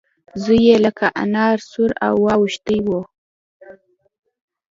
زوی يې لکه انار سور واوښتی و.